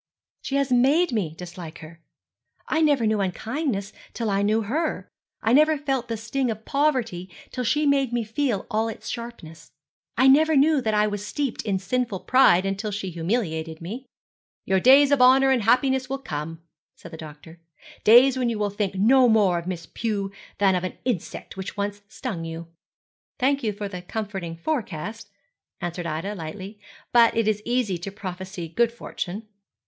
'She has made me dislike her. I never knew unkindness till I knew her. I never felt the sting of poverty till she made me feel all its sharpness. I never knew that I was steeped in sinful pride until she humiliated me.' 'Your days of honour and happiness will come, said the doctor, 'days when you will think no more of Miss Pew than of an insect which once stung you.' 'Thank you for the comforting forecast,' answered Ida, lightly. 'But it is easy to prophesy good fortune.'